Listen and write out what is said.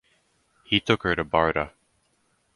He took her to Barda.